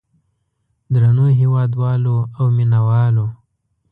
درنو هېوادوالو او مینه والو.